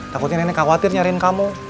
takutnya nenek gak khawatir nyariin kamu